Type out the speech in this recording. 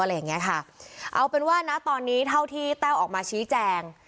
อะไรอย่างเงี้ยค่ะเอาเป็นว่านะตอนนี้เท่าที่แต้วออกมาชี้แจง